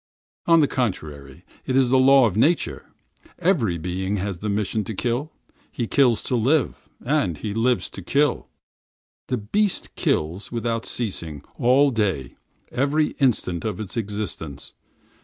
On the contrary, it is the law of nature. The mission of every being is to kill; he kills to live, and he kills to kill. The beast kills without ceasing, all day, every instant of his existence.